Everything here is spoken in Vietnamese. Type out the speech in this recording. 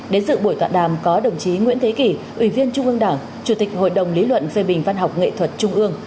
đến dự buổi tọa đàm có đồng chí nguyễn thế kỷ ủy viên trung ương đảng chủ tịch hội đồng lý luận phê bình văn học nghệ thuật trung ương